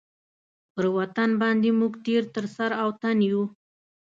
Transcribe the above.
پر وطن باندي موږ تېر تر سر او تن یو.